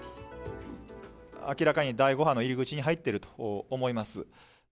明らかに第５波の入り口に入っていると思います。